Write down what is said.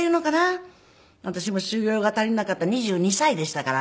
私も修業が足りなかった２２歳でしたから。